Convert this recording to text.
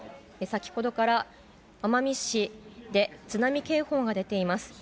先ほどから奄美市で津波警報が出ています。